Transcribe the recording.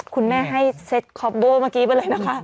คุณแม่ให้เซ็ตคอปโบเมื่อกี้ไปเลยนะคะ